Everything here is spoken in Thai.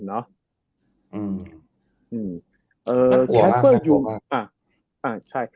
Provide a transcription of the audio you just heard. นักกว่าร้าน